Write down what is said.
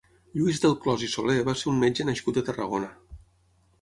Lluís Delclòs i Soler va ser un metge nascut a Tarragona.